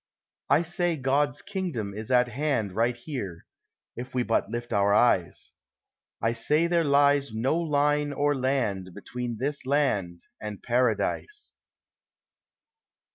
I say God's kingdom is at hand Right here, if we but lift our eyes ; I say there lies no line or land Between this land and Paradise.